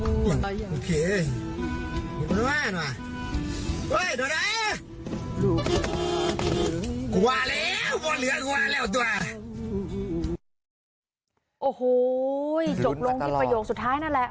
โอ้โหจบลงที่ประโยคสุดท้ายนั่นแหละ